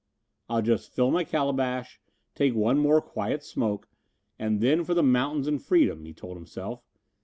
"I'll just fill my calabash, take one more quiet smoke, and then for the mountains and freedom," he told himself.